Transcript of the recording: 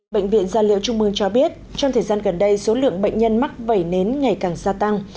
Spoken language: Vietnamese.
bệnh viện gia liễu trung mương cho biết trong thời gian gần đây số lượng bệnh nhân mắc vẩy nến ngày càng gia tăng